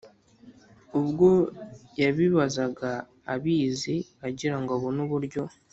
Ubwo yabibazaga abizi, Agira ngo abone uburyo